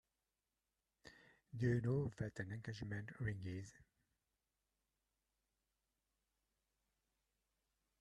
Do you know what an engagement ring is?